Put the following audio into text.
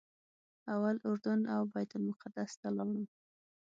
اول اردن او بیت المقدس ته لاړم.